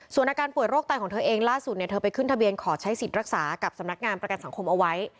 ส่วนอาการป่วยโรคไตของเธอเองล่าสุดเนี่ยเธอไปขึ้นทะเบียนขอใช้สิทธิ์รักษากับสำนักงานประกันสังคมเอาไว้